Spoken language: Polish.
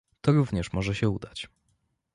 To również może się udać